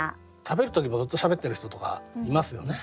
食べる時もずっとしゃべってる人とかいますよね。